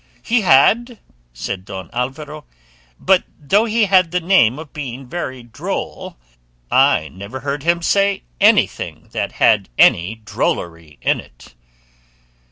"He had," said Don Alvaro; "but though he had the name of being very droll, I never heard him say anything that had any drollery in it."